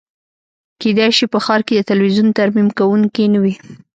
کیدای شي په ښار کې د تلویزیون ترمیم کونکی نه وي